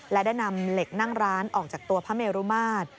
และได้นำเหล็กนั่งร้านออกจากตัวพระเมรุมาตร